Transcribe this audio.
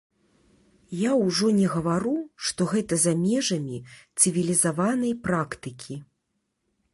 Я ўжо не гавару, што гэта за межамі цывілізаванай практыкі.